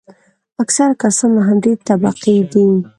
اکثره کسان له همدې طبقې دي.